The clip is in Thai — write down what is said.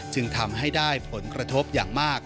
จึงทำให้ได้ผลกระทบอย่างมาก